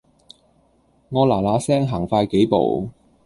我嗱嗱聲行快幾步